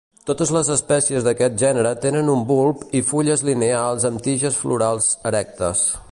Totes les espècies d'aquest gènere tenen un bulb i fulles lineals amb tiges florals erectes.